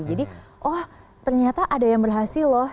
jadi oh ternyata ada yang berhasil loh